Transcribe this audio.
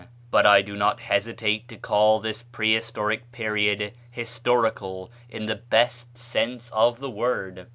But I do not hesitate to call this Prehistoric Period historical in the best sense of the word.